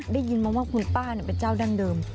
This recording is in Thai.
ได้ยินมาว่าคุณป้าเนี่ยเป็นเจ้าด้านเดิม